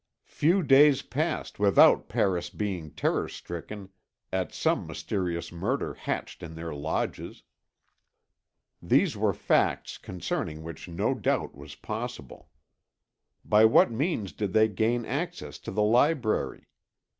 Few days passed without Paris being terror stricken at some mysterious murder hatched in their Lodges. These were facts concerning which no doubt was possible. By what means did they gain access to the library?